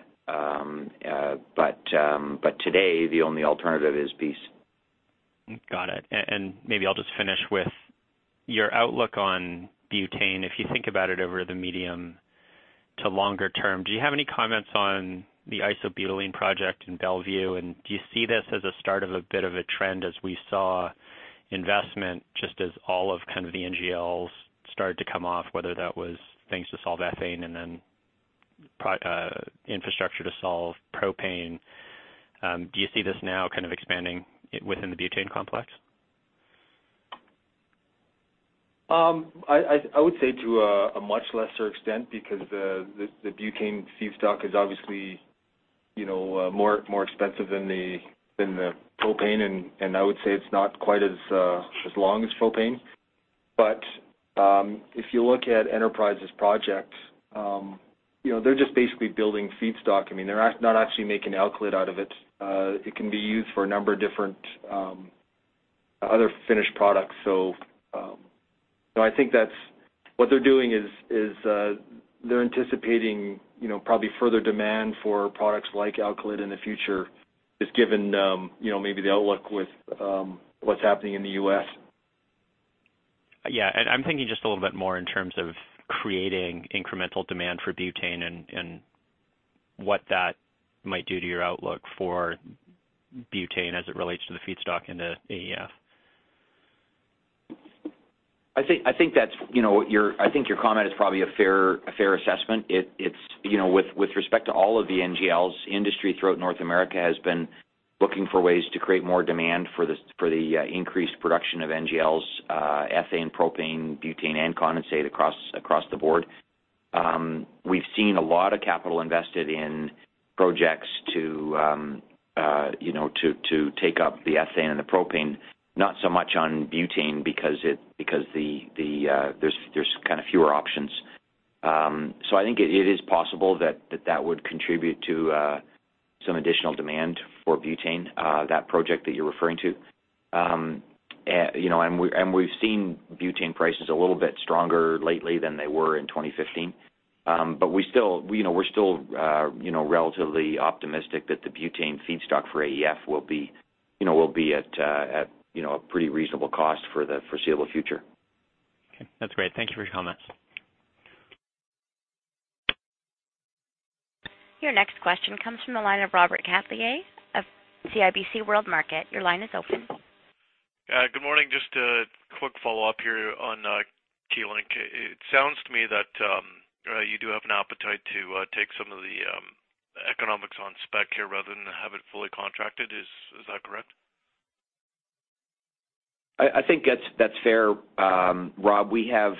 Speaker 3: Today, the only alternative is Peace.
Speaker 13: Got it. Maybe I'll just finish with your outlook on butane. If you think about it over the medium to longer term, do you have any comments on the isobutylene project in Belvieu? Do you see this as a start of a bit of a trend as we saw investment just as all of the NGLs started to come off, whether that was things to solve ethane and then infrastructure to solve propane? Do you see this now kind of expanding within the butane complex?
Speaker 5: I would say to a much lesser extent, because the butane feedstock is obviously more expensive than the propane, and I would say it's not quite as long as propane. If you look at Enterprise's project, they're just basically building feedstock. They're not actually making alkylate out of it. It can be used for a number of different other finished products. I think what they're doing is they're anticipating probably further demand for products like alkylate in the future, just given maybe the outlook with what's happening in the US.
Speaker 13: Yeah, I'm thinking just a little bit more in terms of creating incremental demand for butane and what that might do to your outlook for butane as it relates to the feedstock in the AEF.
Speaker 3: I think your comment is probably a fair assessment. With respect to all of the NGLs, industry throughout North America has been looking for ways to create more demand for the increased production of NGLs, ethane, propane, butane, and condensate across the board. We've seen a lot of capital invested in projects to take up the ethane and the propane, not so much on butane because there's kind of fewer options. I think it is possible that that would contribute to some additional demand for butane, that project that you're referring to. We've seen butane prices a little bit stronger lately than they were in 2015. We're still relatively optimistic that the butane feedstock for AEF will be at a pretty reasonable cost for the foreseeable future.
Speaker 13: Okay. That's great. Thank you for your comments.
Speaker 1: Your next question comes from the line of Robert Catellier of CIBC World Markets. Your line is open.
Speaker 14: Good morning. Just a quick follow-up here on Keylink. It sounds to me that you do have an appetite to take some of the economics on spec here rather than have it fully contracted. Is that correct?
Speaker 3: I think that's fair, Rob. We have,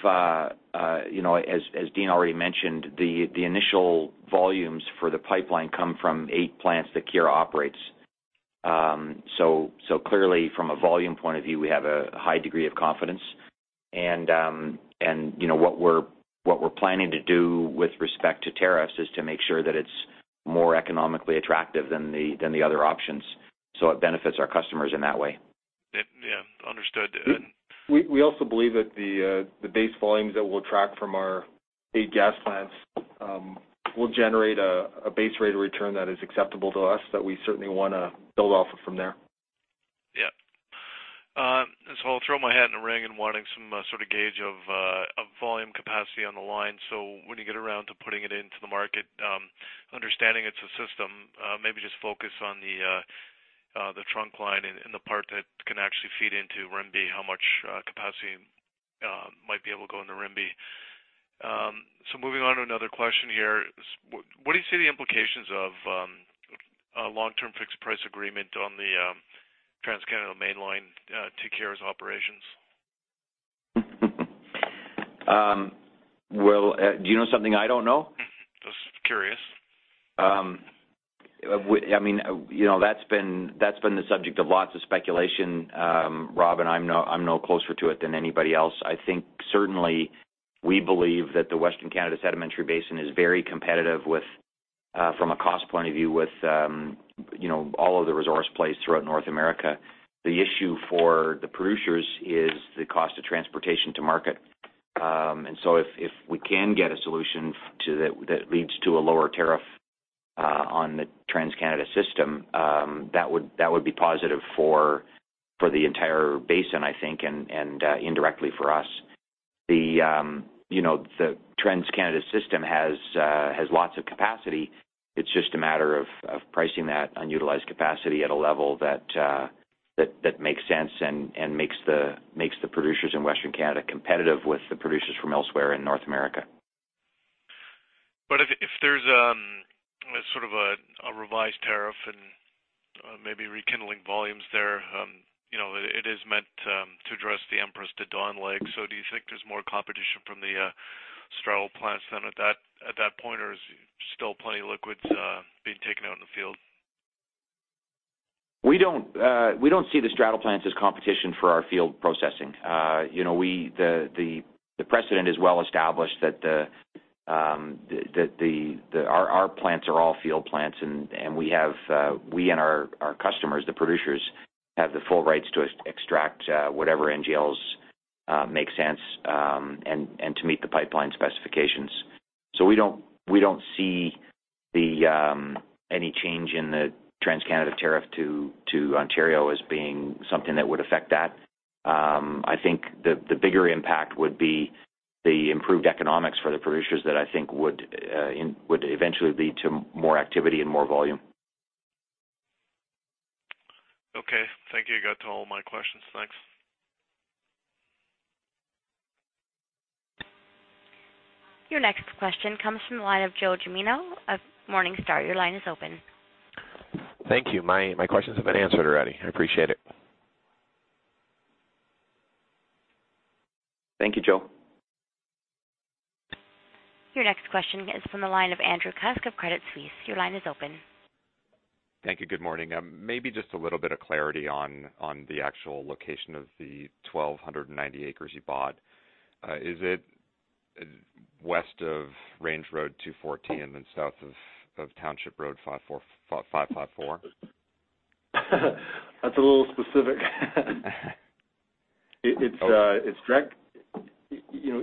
Speaker 3: as Dean already mentioned, the initial volumes for the pipeline come from eight plants that Keyera operates. Clearly from a volume point of view, we have a high degree of confidence. What we're planning to do with respect to tariffs is to make sure that it's more economically attractive than the other options, so it benefits our customers in that way.
Speaker 14: Yeah. Understood.
Speaker 5: We also believe that the base volumes that we'll track from our eight gas plants will generate a base rate of return that is acceptable to us, that we certainly want to build off of from there.
Speaker 14: Yeah. I'll throw my hat in the ring in wanting some sort of gauge of volume capacity on the line. When you get around to putting it into the market, understanding it's a system, maybe just focus on the trunk line and the part that can actually feed into Rimbey, how much capacity might be able to go into Rimbey. Moving on to another question here, what do you see the implications of a long-term fixed price agreement on the TransCanada Mainline to Keyera's operations?
Speaker 3: Well, do you know something I don't know?
Speaker 14: Just curious.
Speaker 3: That's been the subject of lots of speculation, Rob, and I'm no closer to it than anybody else. I think certainly we believe that the Western Canada Sedimentary Basin is very competitive from a cost point of view with all of the resource plays throughout North America. The issue for the producers is the cost of transportation to market. If we can get a solution that leads to a lower tariff on the TransCanada system, that would be positive for the entire basin, I think, and indirectly for us. The TransCanada system has lots of capacity. It's just a matter of pricing that unutilized capacity at a level that makes sense and makes the producers in Western Canada competitive with the producers from elsewhere in North America.
Speaker 14: If there's a revised tariff and maybe rekindling volumes there, it is meant to address the Empress to Dawn leg. Do you think there's more competition from the straddle plants then at that point, or is there still plenty of liquids being taken out in the field?
Speaker 3: We don't see the straddle plants as competition for our field processing. The precedent is well established that our plants are all field plants, and we and our customers, the producers, have the full rights to extract whatever NGLs make sense, and to meet the pipeline specifications. We don't see any change in the TransCanada tariff to Ontario as being something that would affect that. I think the bigger impact would be the improved economics for the producers that I think would eventually lead to more activity and more volume.
Speaker 14: Okay. Thank you. You got to all my questions. Thanks.
Speaker 1: Your next question comes from the line of Joe Gemino of Morningstar. Your line is open.
Speaker 15: Thank you. My questions have been answered already. I appreciate it.
Speaker 3: Thank you, Joe.
Speaker 1: Your next question is from the line of Andrew Kuske of Credit Suisse. Your line is open.
Speaker 16: Thank you. Good morning. Maybe just a little bit of clarity on the actual location of the 1,290 acres you bought. Is it west of Range Road 214 and south of Township Road 554?
Speaker 5: That's a little specific.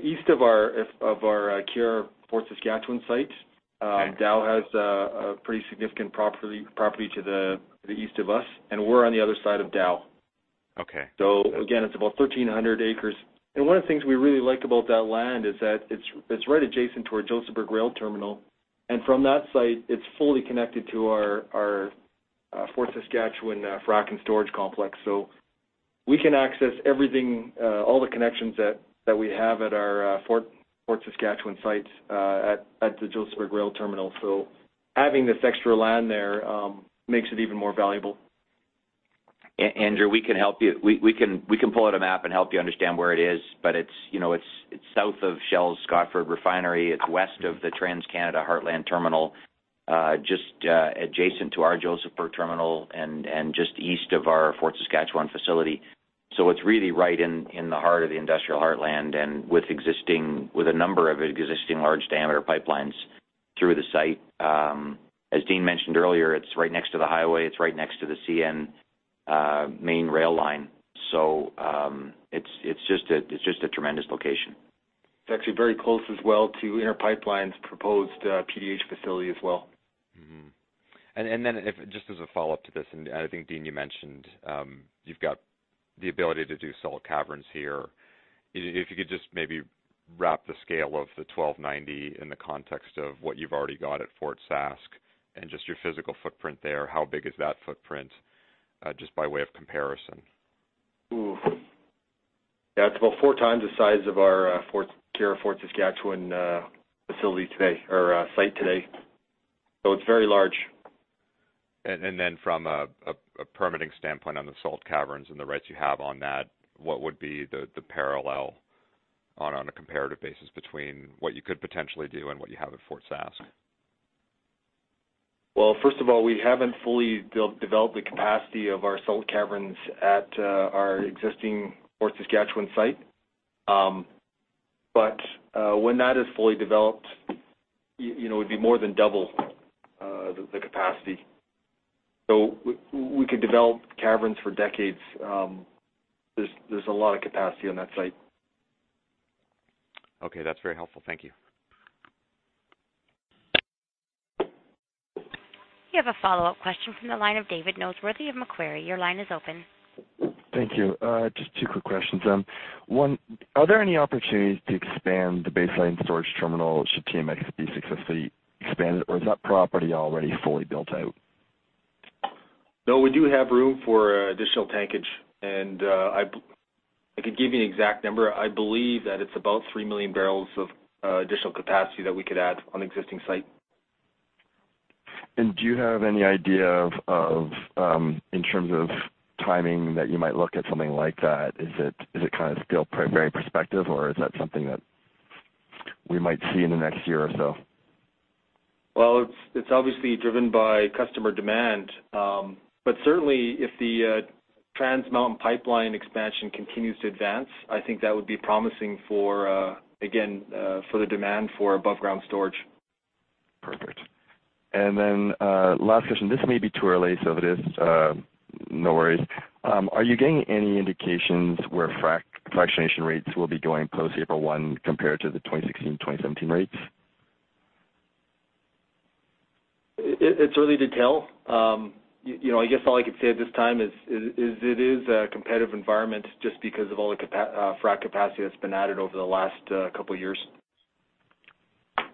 Speaker 5: East of our Keyera Fort Saskatchewan site.
Speaker 16: Okay.
Speaker 5: Dow has a pretty significant property to the east of us, and we're on the other side of Dow.
Speaker 16: Okay.
Speaker 5: Again, it's about 1,300 acres. One of the things we really like about that land is that it's right adjacent to our Josephburg rail terminal. From that site, it's fully connected to our Fort Saskatchewan frac and storage complex. We can access everything, all the connections that we have at our Fort Saskatchewan sites at the Josephburg rail terminal. Having this extra land there makes it even more valuable.
Speaker 3: Andrew, we can help you. We can pull out a map and help you understand where it is, but it's south of Shell's Scotford refinery. It's west of the TransCanada Heartland Terminal, just adjacent to our Josephburg terminal and just east of our Fort Saskatchewan facility. It's really right in the heart of the industrial heartland and with a number of existing large-diameter pipelines through the site. As Dean mentioned earlier, it's right next to the highway. It's right next to the CN main rail line. It's just a tremendous location.
Speaker 5: It's actually very close as well to Inter Pipeline's proposed PDH facility as well.
Speaker 16: Just as a follow-up to this, and I think, Dean, you mentioned you've got the ability to do salt caverns here. If you could just maybe wrap the scale of the 1,290 acres in the context of what you've already got at Fort Sask and just your physical footprint there, how big is that footprint, just by way of comparison?
Speaker 5: Ooh. Yeah, it's about 4x the size of our Keyera Fort Saskatchewan facility today or site today. It's very large.
Speaker 16: From a permitting standpoint on the salt caverns and the rights you have on that, what would be the parallel? On a comparative basis between what you could potentially do and what you have at Fort Sask.
Speaker 5: Well, first of all, we haven't fully developed the capacity of our salt caverns at our existing Fort Saskatchewan site. When that is fully developed, it'd be more than double the capacity. We could develop caverns for decades. There's a lot of capacity on that site.
Speaker 16: Okay. That's very helpful. Thank you.
Speaker 1: You have a follow-up question from the line of David Noseworthy of Macquarie. Your line is open.
Speaker 8: Thank you. Just two quick questions. One, are there any opportunities to expand the Base Line storage Terminal should TMX be successfully expanded, or is that property already fully built out?
Speaker 5: No, we do have room for additional tankage, and I could give you an exact number. I believe that it's about 3 million barrels of additional capacity that we could add on existing site.
Speaker 8: Do you have any idea in terms of timing that you might look at something like that? Is it still very prospective, or is that something that we might see in the next year or so?
Speaker 5: Well, it's obviously driven by customer demand. Certainly, if the Trans Mountain pipeline expansion continues to advance, I think that would be promising, again, for the demand for above-ground storage.
Speaker 8: Perfect. Last question, this may be too early, so if it is, no worries. Are you getting any indications where fractionation rates will be going post April 1 compared to the 2016, 2017 rates?
Speaker 5: It's early to tell. I guess all I can say at this time is, it is a competitive environment just because of all the frac capacity that's been added over the last couple of years.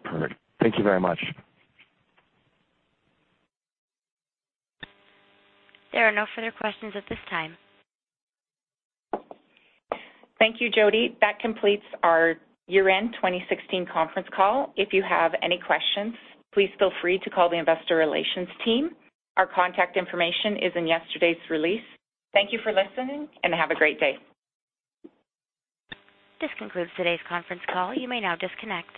Speaker 8: Perfect. Thank you very much.
Speaker 1: There are no further questions at this time.
Speaker 2: Thank you, Jody. That completes our year-end 2016 conference call. If you have any questions, please feel free to call the investor relations team. Our contact information is in yesterday's release. Thank you for listening, and have a great day.
Speaker 1: This concludes today's conference call. You may now disconnect.